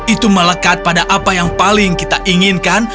itu melekat pada apa yang paling kita inginkan